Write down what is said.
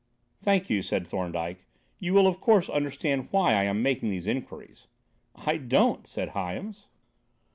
"Thank you," said Thorndyke. "You will, of course, understand why I am making these inquiries." "I don't," said Hyams.